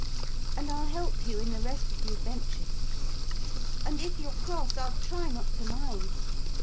And I'll help you in the rest of the adventures. And if you're cross, I'll try not to mind.